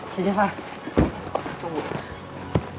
si jafar tunggu